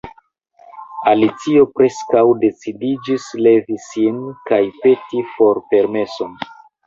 Alicio preskaŭ decidiĝis levi sin kaj peti forpermeson.